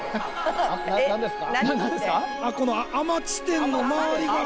この甘地点のまわりが。